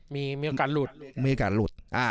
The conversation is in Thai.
มีโอกาสหลุด